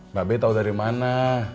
mbak be tau dari mana